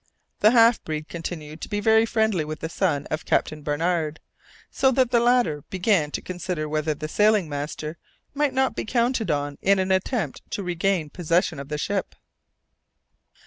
The half breed continued to be very friendly with the son of Captain Barnard, so that the latter began to consider whether the sailing master might not be counted on in an attempt to regain possession of the ship.